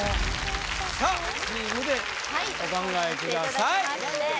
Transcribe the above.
さっチームでお考えください